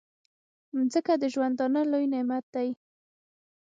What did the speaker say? مځکه د ژوندانه لوی نعمت دی.